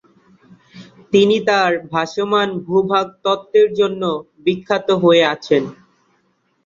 তিনি তার "ভাসমান ভূ-ভাগ তত্ত্বের" জন্য বিখ্যাত হয়ে আছেন।